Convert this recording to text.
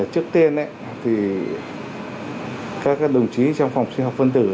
trước tiên thì các đồng chí trong phòng sinh học phân tử